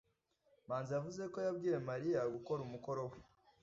Manzi yavuze ko yabwiye Mariya gukora umukoro we.